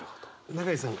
永井さん